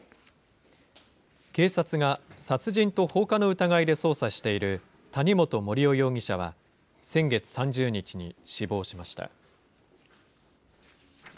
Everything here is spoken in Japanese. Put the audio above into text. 警察が殺人と放火の疑いで捜査している谷本盛雄容疑者は先月３０日に死亡しました。